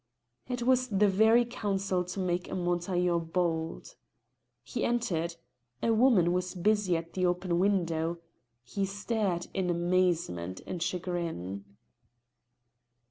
It was the very counsel to make a Montaiglon bold. He entered; a woman was busy at the open window; he stared in amazement and chagrin.